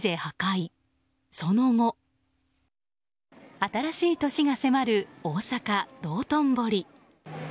新しい年が迫る大阪・道頓堀。